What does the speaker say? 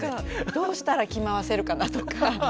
どうしたら着回せるかなとか。